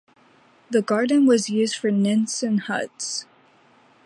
The garden was used for Nissen huts.